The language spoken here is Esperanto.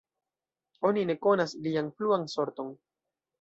Oni ne konas lian pluan sorton.